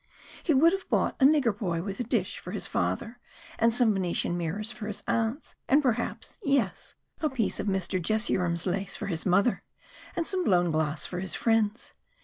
He would have bought a nigger boy with a dish for his father, and some Venetian mirrors for his aunts, and perhaps yes a piece of Mr. Jesurum's lace for his mother, and some blown glass for his friends.